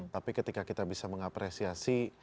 tapi ketika kita bisa mengapresiasi